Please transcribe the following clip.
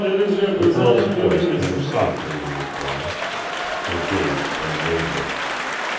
The girl's voice came softly in reply: her gaze unwavering.